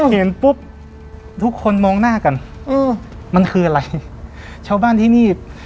เห็นปุ๊บทุกคนมองหน้ากันเออมันคืออะไรชาวบ้านที่นี่